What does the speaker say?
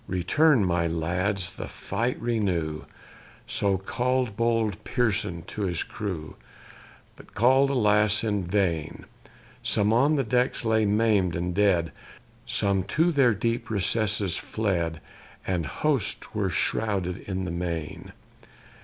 "Return, my lads, the fight renew!" So call'd bold Pearson to his crew; But call'd, alas! in vain; Some on the decks lay maim'd and dead; Some to their deep recesses fled, And hosts were shrouded in the main.